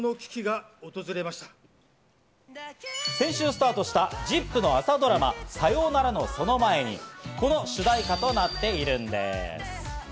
先週スタートした『ＺＩＰ！』の朝ドラマ『サヨウナラのその前に』、この主題歌となっているんです。